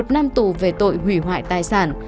một năm tù về tội hủy hoại tài sản